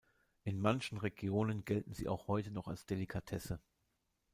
In manchen Regionen gelten sie auch heute noch als Delikatesse.